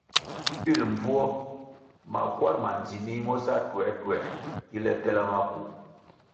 Pil mbvuo makwar ma ndzinih mo sa tuertuer ki tela maku.